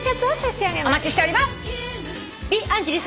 お待ちしております。